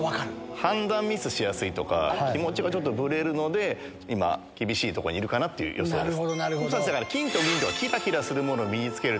判断ミスしやすいとか、気持ちがちょっとぶれるので、今、厳しいとこにいるかなっていう予想です。